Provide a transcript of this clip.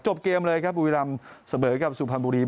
จบเกมเลยครับอุวิรัมสเบอร์กับสุพรรณบุรีฟ้อง